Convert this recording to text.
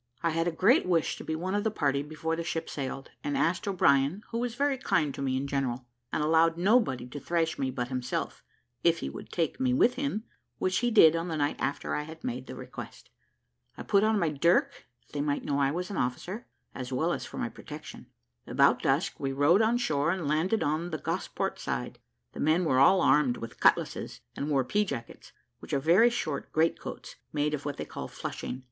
I had a great wish to be one of the party before the ship sailed, and asked O'Brien, who was very kind to me in general, and allowed nobody to thrash me but himself, if he would take me with him, which he did on the night after I had made the request. I put on my dirk, that they might know I was an officer, as well as for my protection. About dusk we rowed on shore, and landed on the Gosport side: the men were all armed with cutlasses, and wore pea jackets, which are very short great coats made of what they call flushing.